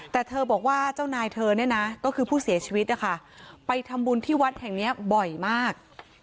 แต่เธอบอกว่าเจ้านายเธอเนี่ยนะก็คือผู้เสียชีวิตนะคะไปทำบุญที่วัดแห่งนี้บ่อยมาก